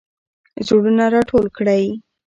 زړونه راټول کړئ.